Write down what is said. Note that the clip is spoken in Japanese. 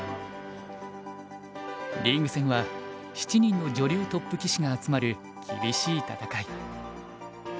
リーグ戦は７人の女流トップ棋士が集まる厳しい戦い。